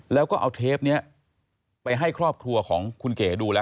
แล้วก็เอาเทปนี้ไปให้ครอบครัวของคุณเก๋ดูแล้ว